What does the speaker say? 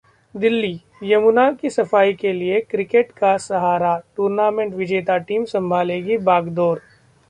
दिल्ली: यमुना की सफाई के लिए क्रिकेट का सहारा, टूर्नामेंट विजेता टीम संभालेगी बागडोर